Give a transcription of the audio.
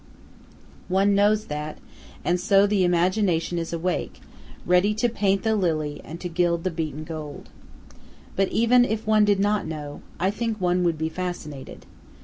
One knows that, and so the imagination is awake, ready to paint the lily and to gild the beaten gold. But even if one did not know, I think one would be fascinated.